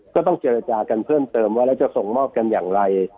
ก็ต้องเจรจากันเพิ่มเติมว่าแล้วจะส่งมอบกันอย่างไร